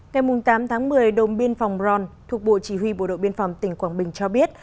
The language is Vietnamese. ngày tám tháng một mươi đồn biên phòng ron thuộc bộ chỉ huy bộ đội biên phòng tỉnh quảng bình cho biết